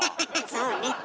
そうね。